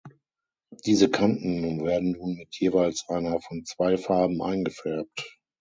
Diese Kanten werden nun mit jeweils einer von zwei Farben eingefärbt.